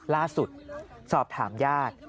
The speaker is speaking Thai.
ล่าสุดสอบถามญาติ